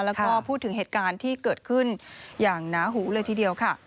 แล้วก็พูดถึงเหตุการณ์ที่เกิดขึ้นอย่างหนาหูเลยทีเดียวค่ะ